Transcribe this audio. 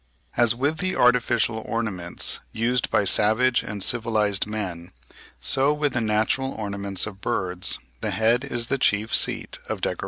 As with the artificial ornaments used by savage and civilised men, so with the natural ornaments of birds, the head is the chief seat of decoration.